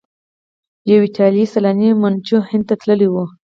یو ایټالیایی سیلانی منوچي هند ته تللی و.